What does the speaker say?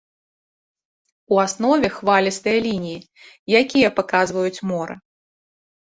У аснове хвалістыя лініі, якія паказваюць мора.